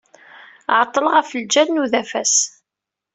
Ɛeṭṭleɣ ɣef lǧal n udafas.